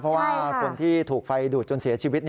เพราะว่าคนที่ถูกไฟดูดจนเสียชีวิต